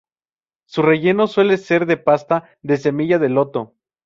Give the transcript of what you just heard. Su relleno suele ser de pasta de semilla de loto.